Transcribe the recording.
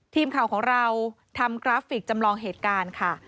ทีมข่าวของเราทำกราฟิกจำลองเหตุการณ์ค่ะ